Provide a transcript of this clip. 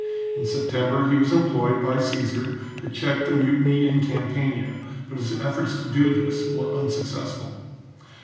In September he was employed by Caesar to check the mutiny in Campania, but his efforts to do this were unsuccessful.